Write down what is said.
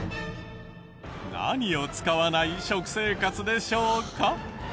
何を使わない食生活でしょうか？